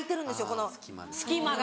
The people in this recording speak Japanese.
この隙間が。